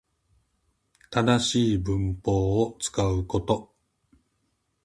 正しい文法を使うこと